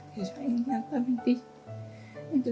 thì cho anh làm tâm anh đi